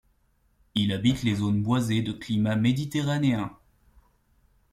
Il habite les zones boisées de climat méditerranéen.